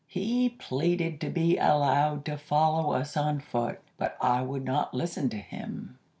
He pleaded to be allowed to follow us on foot; but I would not listen to him.